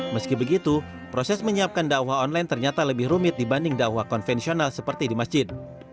meski begitu proses menyiapkan dakwah online ternyata lebih rumit dibanding dakwah konvensional seperti di masjid